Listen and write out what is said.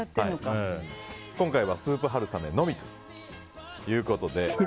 今回はスープはるさめのみということで。